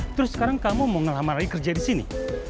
terus sekarang kamu mau ngelaman lagi kerja disini